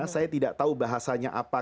saya tidak tahu bahasanya apa